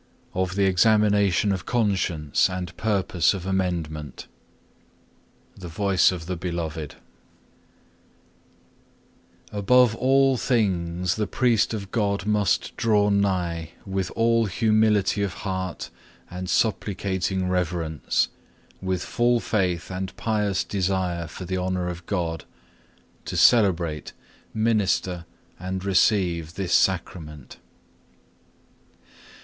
CHAPTER VII Of the examination of conscience, and purpose of amendment The Voice of the Beloved Above all things the priest of God must draw nigh, with all humility of heart and supplicating reverence, with full faith and pious desire for the honour of God, to celebrate, minister, and receive this Sacrament.